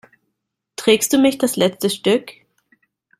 Trägst du mich das letzte Stück?